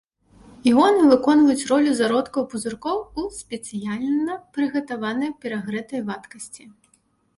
Іоны выконваюць ролю зародкаў пузыркоў у спецыяльна прыгатаванай перагрэтай вадкасці.